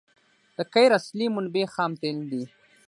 د قیر اصلي منبع خام تیل دي